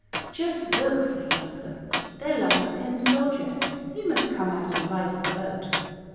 "Just look!" said one of them: "there lies a Tin Soldier. He must come out and ride in the boat."